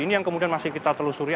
ini yang kemudian masih kita telusuri